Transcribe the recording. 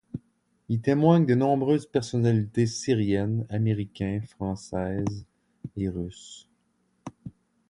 Y témoignent de nombreuses personnalités syriennes, américains, françaises et russes.